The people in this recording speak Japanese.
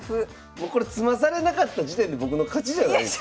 もうこれ詰まされなかった時点で僕の勝ちじゃないですか？